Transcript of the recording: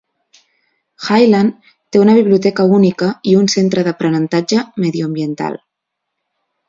Highland té una biblioteca única i un centre d'aprenentatge mediambiental.